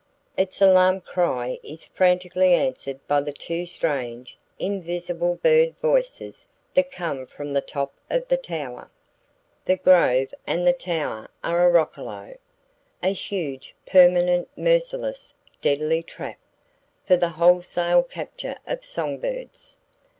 Its alarm cry is frantically answered by the two strange, invisible bird voices that come from the top of the tower! The grove and the tower are A ROCCOLO! A huge, permanent, merciless, deadly trap, for the wholesale capture of songbirds!